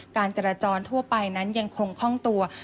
การจราจรทั่วไปนั้นยังคงคล่องตัว